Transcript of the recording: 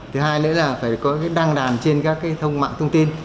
thứ hai nữa là phải có đăng đàn trên các thông mạng thông tin